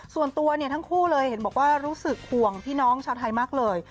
ส่วนตัวเนี่ยทั้งคู่เลยเห็นบอกว่ารู้สึกห่วงพี่น้องชาวไทยมากเลย